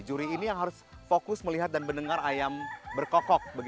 juri ini yang harus fokus melihat dan mendengar ayam berkokok